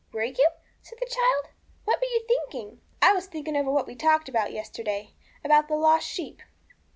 'Were you?' said the child; 'what were you thinking?' 'I was thinking over what we talked about yesterday about the lost sheep.'